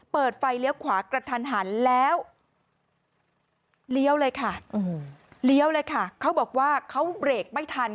เพราะอะไร